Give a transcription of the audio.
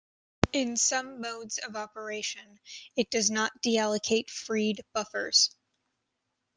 In some modes of operation, it does not deallocate freed buffers.